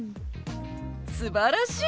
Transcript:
すばらしい！